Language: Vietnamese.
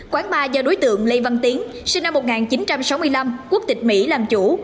quán ba do đối tượng lê văn tiến sinh năm một nghìn chín trăm sáu mươi năm quốc tịch mỹ làm chủ